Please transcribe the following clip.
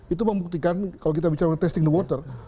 itu membuktikan kalau kita bicara testing the water